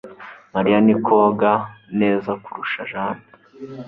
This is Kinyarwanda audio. Mariya ni koga neza kurusha Jane